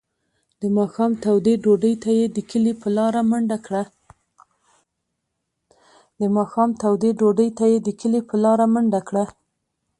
د ماښام تودې ډوډۍ ته یې د کلي په لاره منډه کړه.